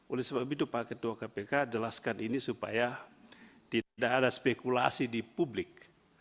oleh sebab itu pak ketua kpk jelaskan ini supaya tidak ada spekulasi di publik